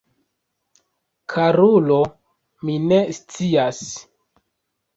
Karulo, mi ne scias.